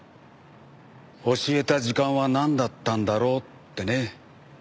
教えた時間はなんだったんだろうってね。